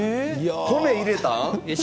米、入れたん？